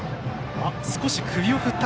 少し首を振った。